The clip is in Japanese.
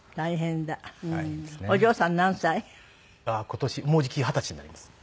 今年もうじき二十歳になります。